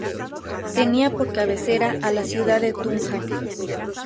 Tenía por cabecera a la ciudad de Tunja.